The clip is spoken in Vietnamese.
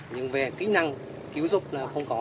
nhưng về kỹ năng cứu giúp là không có